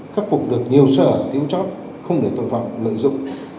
khắc phục được nhiều sở thiếu chót không để tội phạm lợi dụng